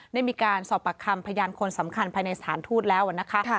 ได้มีการสอบปากคำพยานคนสำคัญภายในสถานทูตแล้วนะคะ